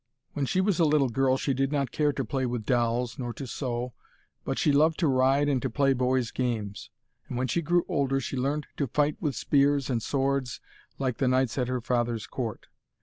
When she was a little girl she did not care to play with dolls nor to sew, but she loved to ride and to play boys' games. And when she grew older she learned to fight with spears and swords like the knights at her father's court.